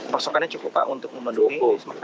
pasokannya cukup pak untuk mendukung